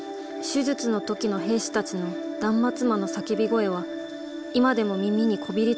手術の時の兵士たちの断末魔の叫び声は今でも耳にこびりついているんです。